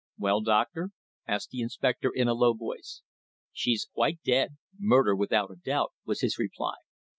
"Well, doctor?" asked the inspector in a low voice. "She's quite dead murder, without a doubt," was his reply.